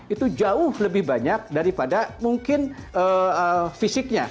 itu jauh lebih banyak daripada mungkin fisiknya